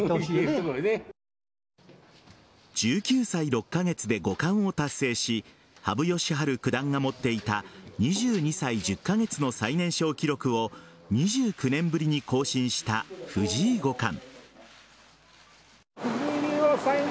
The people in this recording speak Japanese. １９歳６カ月で五冠を達成し羽生善治九段が持っていた２２歳１０カ月の最年少記録を２９年ぶりに更新した藤井五冠。